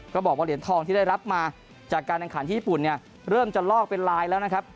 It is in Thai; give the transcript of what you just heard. ก็บอกว่าเหรียญทองที่ได้รับมาจากการแข่งขันที่ญี่ปุ่นเนี่ยเริ่มจะลอกเป็นลายแล้วนะครับ